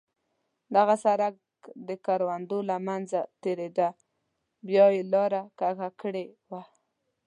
دغه سړک د کروندو له منځه تېرېده، بیا یې لاره کږه کړې وه.